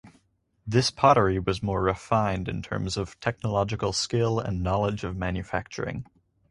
This pottery was more refined in terms of technological skill and knowledge of manufacturing.